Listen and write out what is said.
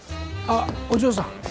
あっお嬢さん。